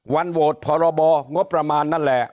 วันโหวตพรบงบประมาณนั่นแหละ